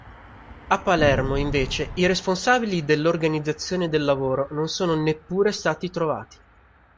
A Palermo, invece, i responsabili dell'organizzazione del lavoro non sono neppure stati trovati".